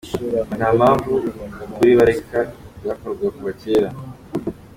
Ngo nta mpamvu kuri bareka ibyakorwaga kuva kera.